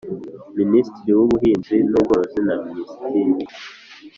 Minisitiri w Ubuhinzi n Ubworozi na Minisitiri